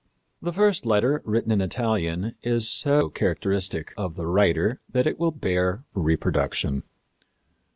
The first letter, written in Italian, is so characteristic of the writer that it will bear reproduction.